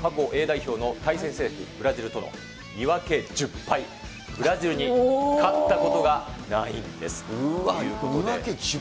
過去Ａ代表の対戦成績、ブラジルとの、２分け１０敗、ブラジルに２分け１０敗、勝ったことがないんですよ。